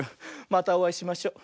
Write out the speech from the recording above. またおあいしましょう。